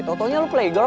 tau taunya lo playgirl